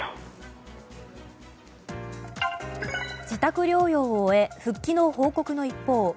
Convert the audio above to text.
自宅療養を終え復帰の報告の一方